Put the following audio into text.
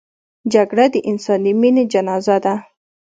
جګړه د انساني مینې جنازه ده